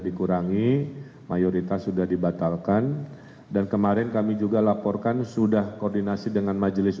dikurangi mayoritas sudah dibatalkan dan kemarin kami juga laporkan sudah koordinasi dengan majelis